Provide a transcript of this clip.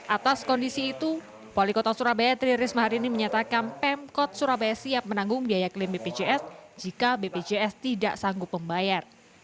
atas kondisi itu wali kota surabaya tri risma hari ini menyatakan pemkot surabaya siap menanggung biaya klaim bpjs jika bpjs tidak sanggup membayar